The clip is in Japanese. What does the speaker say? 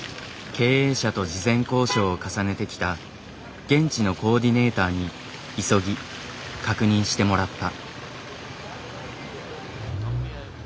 経営者と事前交渉を重ねてきた現地のコーディネーターに急ぎ確認してもらった。